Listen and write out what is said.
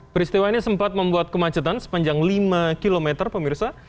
peristiwa ini sempat membuat kemacetan sepanjang lima km pemirsa